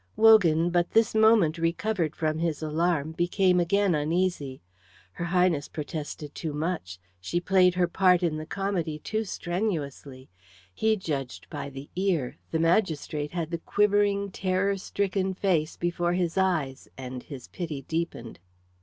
Wogan, but this moment recovered from his alarm, became again uneasy. Her Highness protested too much; she played her part in the comedy too strenuously. He judged by the ear; the magistrate had the quivering, terror stricken face before his eyes, and his pity deepened.